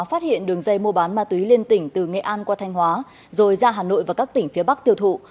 phát hiện đường dây mua bán ma túy liên tỉnh từ nghệ an qua thanh hóa rồi ra hà nội và các tỉnh phía bắc tiêu thụ